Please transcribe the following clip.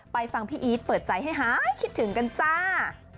ฟังพี่อีทเปิดใจให้หายคิดถึงกันจ้า